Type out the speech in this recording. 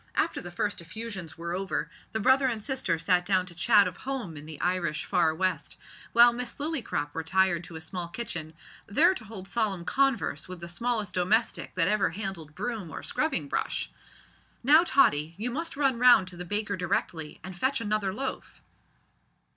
After the first effusions were over, the brother and sister sat down to chat of home in the Irish far west, while Miss Lillycrop retired to a small kitchen, there to hold solemn converse with the smallest domestic that ever handled broom or scrubbing brush. "Now, Tottie, you must run round to the baker directly, and fetch another loaf."